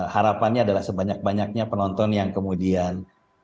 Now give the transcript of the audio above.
harapannya adalah sebanyak banyaknya penonton yang kemudian